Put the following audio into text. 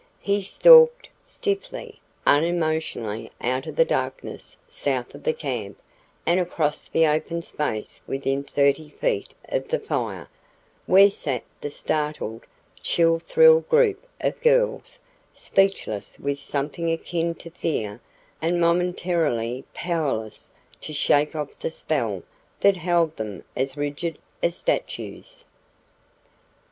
He stalked, stiffly, unemotionally out of the darkness south of the camp and across the open space within thirty feet of the fire, where sat the startled, chill thrilled group of girls, speechless with something akin to fear and momentarily powerless to shake off the spell that held them as rigid as statues.